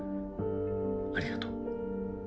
ありがとう。